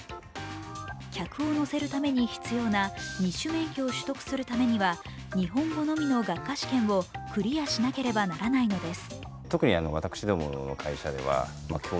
客を乗せるために必要な二種免許を取得するためには日本語のみの学科試験をクリアしなければならないのです。